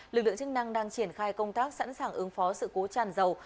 lực lượng chức năng đang triển khai công tác sẵn sàng ứng phó sự cố tràn dầu